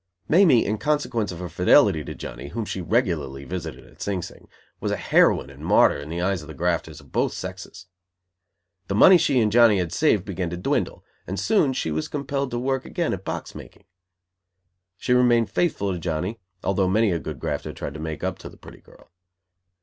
Mamie, in consequence of her fidelity to Johnny, whom she regularly visited at Sing Sing, was a heroine and a martyr in the eyes of the grafters of both sexes. The money she and Johnny had saved began to dwindle, and soon she was compelled to work again at box making. She remained faithful to Johnny, although many a good grafter tried to make up to the pretty girl.